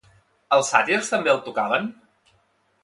Els sàtirs també el tocaven?